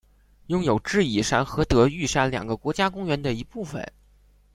拥有智异山和德裕山两个国家公园的一部份。